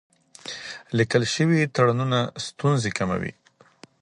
لیکل شوي تړونونه ستونزې کموي.